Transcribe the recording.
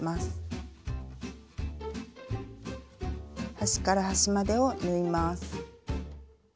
端から端までを縫います。